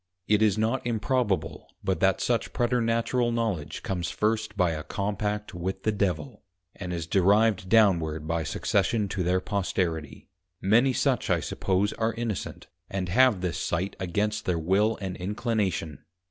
It is not improbable but that such Preternatural Knowledge comes first by a Compact with the Devil, and is derived downward by Succession to their Posterity: Many such I suppose are Innocent, and have this sight against their Will and Inclination.'